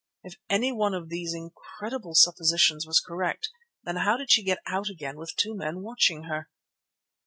And if any one of these incredible suppositions was correct, then how did she get out again with two men watching her?